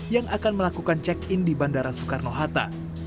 yang akan melakukan check in di bandara soekarno hatta